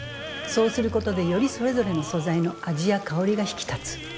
そうすることでよりそれぞれの素材の味や香りが引き立つ。